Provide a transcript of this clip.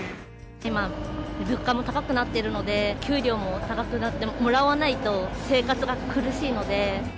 今、物価も高くなっているので、給料も高くなってもらわないと、生活が苦しいので。